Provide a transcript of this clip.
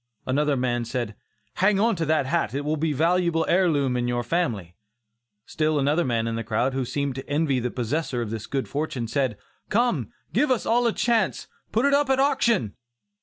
Another man said "Hang on to that hat, it will be a valuable heir loom in your family." Still another man in the crowd, who seemed to envy the possessor of this good fortune, said, "come, give us all a chance; put it up at auction!"